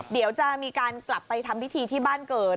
เดี๋ยวจะมีการกลับไปทำพิธีที่บ้านเกิด